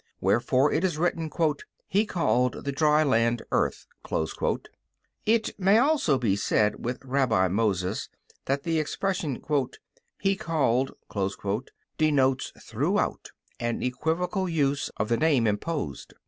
Wherefore it is written: "He called the dry land, Earth." It may also be said with Rabbi Moses, that the expression, "He called," denotes throughout an equivocal use of the name imposed.